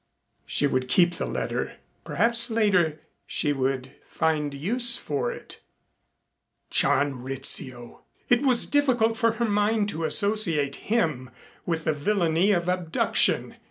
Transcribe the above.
She would keep the letter. Perhaps later she would find use for it. John Rizzio! It was difficult for her mind to associate him with the villainy of abduction.